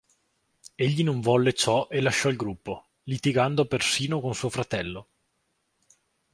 Egli non volle ciò e lasciò il gruppo, litigando persino con suo fratello.